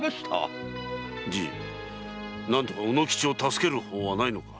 じい何とか卯之吉を助ける法はないのか？